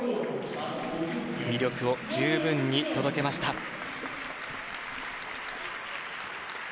魅力を十分に届けました。